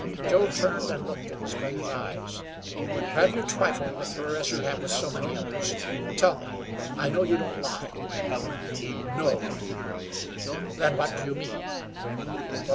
Joe turned and looked in his brother's eyes. "Have you trifled with her, as you have with so many others? Tell me. I know you don't lie." "No." "Then what do you mean?"